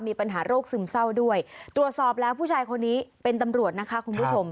โรคซึมเศร้าด้วยตรวจสอบแล้วผู้ชายคนนี้เป็นตำรวจนะคะคุณผู้ชม